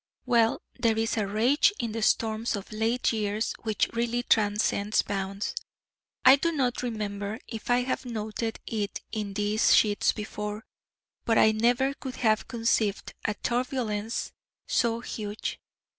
Well, there is a rage in the storms of late years which really transcends bounds; I do not remember if I have noted it in these sheets before: but I never could have conceived a turbulence so huge.